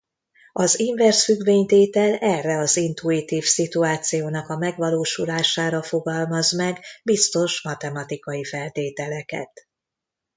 Az inverzfüggvény-tétel erre az intuitív szituációnak a megvalósulására fogalmaz meg biztos matematikai feltételeket.